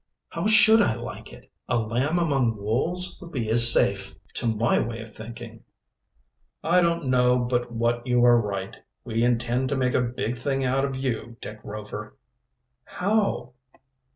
"How should I like it? A lamb among wolves would be as safe, to my way of thinking." "I don't know but what you are right. We intend to make a big thing out of you, Dick Rover." "How?"